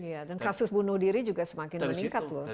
iya dan kasus bunuh diri juga semakin meningkat loh